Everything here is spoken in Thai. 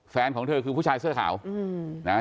แฟนของเธอคือผู้ชายเสื้อข่าวเออนะครับ